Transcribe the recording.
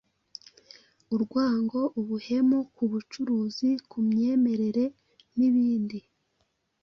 urwango, ubuhemu, ku bucuruzi, ku myemerere n’ibindi.